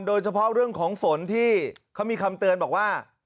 โดยเฉพาะเรื่องของฝนที่เขามีคำเตือนบอกว่า